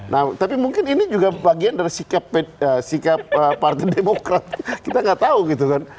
nah tapi mungkin ini juga bagian dari sikap partai demokrat kita nggak tahu gitu kan